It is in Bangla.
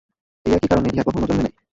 এই একই কারণে ইহা কখনও জন্মে নাই।